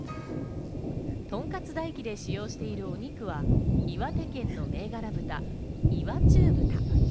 とんかつ大希で使用しているお肉は岩手県の銘柄豚・岩中豚。